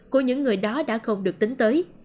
của những người đó đã không được tính tới